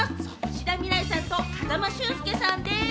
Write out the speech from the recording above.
志田未来さんと風間俊介さんです。